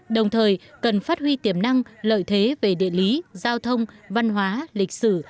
đồng thời cần phát huy tiềm năng lợi thế về địa lý giao thông văn hóa lịch sử